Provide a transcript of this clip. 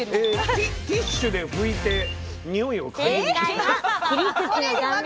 ティッシュで拭いてにおいを嗅いで。